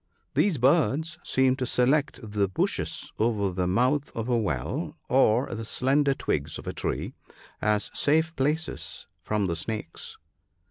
— These birds seem to select the bushes over the mouth of a well, or the slender twigs of a tree, as safe places from the snakes.